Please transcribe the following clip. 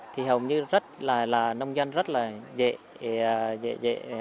thì hầu như nông dân rất dễ thực hiện